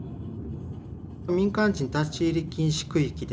民間人立ち入り禁止区域です。